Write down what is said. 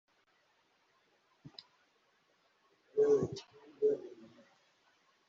ndetse no kuba mu isoko ryo kubaka Hoteli ya Ferwafa abanyamuryango batigeze babimenyeshwa kandi babifitiye uburenganzira